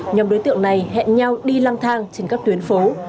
nhóm đối tượng này hẹn nhau đi lăng thang trên các tuyến phố